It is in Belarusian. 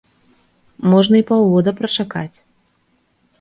Можна і паўгода прачакаць!